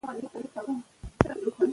انعطاف منونکي اوسئ.